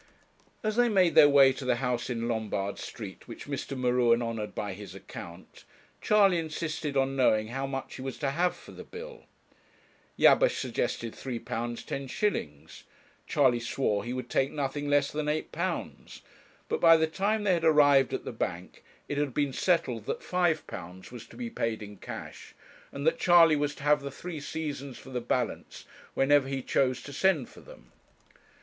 As they made their way to the house in Lombard Street which Mr. M'Ruen honoured by his account, Charley insisted on knowing how much he was to have for the bill. Jabesh suggested £3 10s.; Charley swore he would take nothing less than £8; but by the time they had arrived at the bank, it had been settled that £5 was to be paid in cash, and that Charley was to have the three Seasons for the balance whenever he chose to send for them.